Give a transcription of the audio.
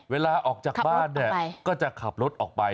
เวลาออกจากบ้านเนี่ยก็จะขับรถออกไป